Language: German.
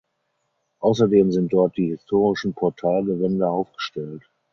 Außerdem sind dort die historischen Portalgewände aufgestellt.